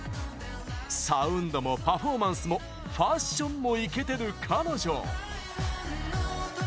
サウンドもパフォーマンスもファッションもイケてる彼女！